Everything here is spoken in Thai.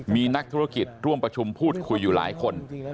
มีนักธุรกิจร่วมประชุมพูดคุยอยู่หลายคน